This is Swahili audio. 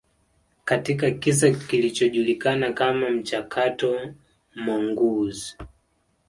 katika kisa kilichojulikana kama mchakato Mongoose